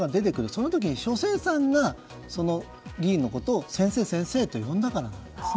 その時に書生さんが議員のことを先生と呼んだからなんです。